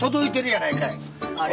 あれ？